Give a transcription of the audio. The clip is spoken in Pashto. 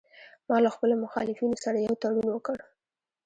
ما له خپلو مخالفینو سره یو تړون وکړ